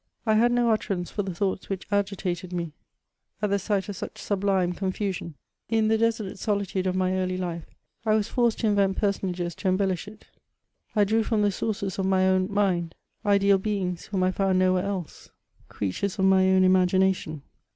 I had no utterance for the thoughts which agitated me at the sight of such sublime confosion. In the desolate solitude of my early life, I was forced to invent personages to embellish it ; I drew from the sources of my own mind ideal beings whom I found nowhere else — creatures of my own imagination.